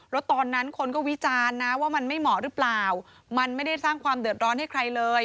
แล้วตอนนั้นคนก็วิจารณ์นะว่ามันไม่เหมาะหรือเปล่ามันไม่ได้สร้างความเดือดร้อนให้ใครเลย